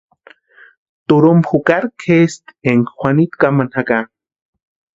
Turhumpa jukari kʼesti énka Juanitu kamani jaka.